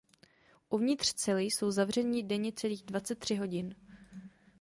Uvnitř cely jsou zavřeni denně celých dvacet tři hodin.